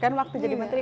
kan waktu jadi menteri